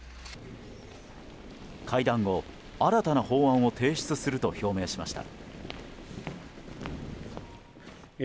会談後、新たな法案を提出すると表明しました。